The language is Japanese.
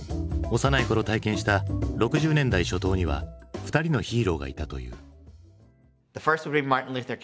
幼いころ体験した６０年代初頭には２人のヒーローがいたという。